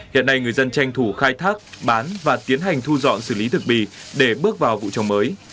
hiện nay người dân tranh thủ khai thác bán và tiến hành thu dọn xử lý thực bì để bước vào vụ trồng mới